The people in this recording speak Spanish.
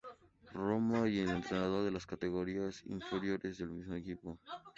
Roma y entrenador de las categorías inferiores del mismo equipo.